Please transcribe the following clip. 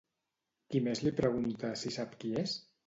Qui més li pregunta si sap qui és?